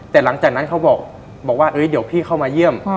แต่หลังจากนั้นเขาบอกว่าเดี๋ยวพี่เข้ามาเยี่ยม